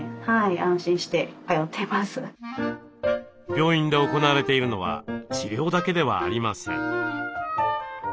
病院で行われているのは治療だけではありません。